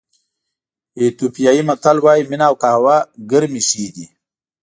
ایتیوپیایي متل وایي مینه او قهوه ګرمې ښې دي.